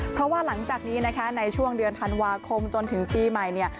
เพราะว่าหลังจากนี้นะคะในช่วงเดือนธันวาคมจนถึงปีใหม่เนี่ย